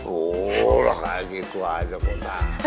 udah kayak gitu aja bapak